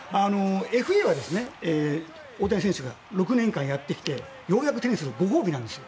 ＦＡは大谷選手が６年間やってきてようやく手にするご褒美なんです。